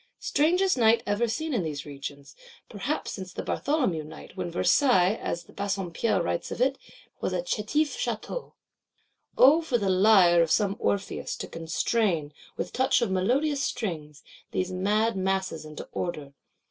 Strangest Night ever seen in these regions,—perhaps since the Bartholomew Night, when Versailles, as Bassompierre writes of it, was a chétif château. O for the Lyre of some Orpheus, to constrain, with touch of melodious strings, these mad masses into Order!